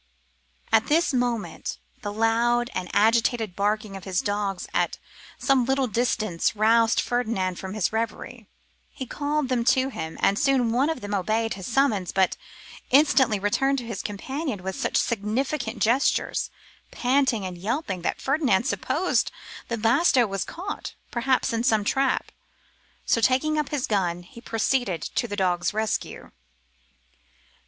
At this moment the loud and agitated barking of his dogs at some little distance roused Ferdinand from his reverie. He called them to him, and soon one of them obeyed his summons, but instantly returned to his companion with such significant gestures, panting and yelping, that Ferdinand supposed that Basto was caught, perhaps, in some trap: so, taking up his gun, he proceeded to the dog's rescue.